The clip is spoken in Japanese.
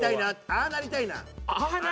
「ああなりたいな」？